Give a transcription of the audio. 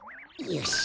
よし！